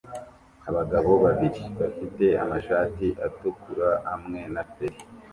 Abagabo babiri bafite amashati atukura hamwe na feri